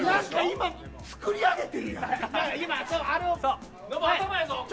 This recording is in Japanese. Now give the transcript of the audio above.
今作り上げてるやん。